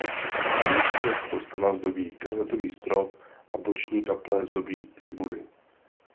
Vnitřek kostela zdobí kazetový strop a boční kaple zdobí tribuny.